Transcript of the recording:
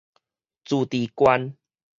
自治縣